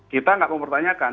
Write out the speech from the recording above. kita nggak mau pertanyakan